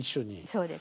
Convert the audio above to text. そうですね。